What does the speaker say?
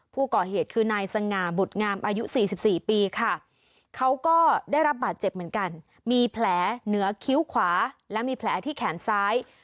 ผู้ก่อเหตุคือนายสง่าบุตรงามอายุ๔๔ปีค่ะเขาก็ได้รับบาดเจ็บเหมือนกันมีแผลเหนือคิ้วขวาและมีแผลที่แขนซ้าย